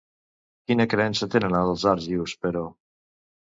Quina creença tenen els argius, però?